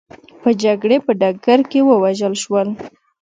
په جګړې په ډګر کې ووژل شول.